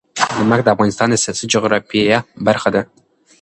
نمک د افغانستان د سیاسي جغرافیه برخه ده.